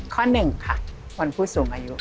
ข้อ๑ค่ะวันผู้สูงอายุ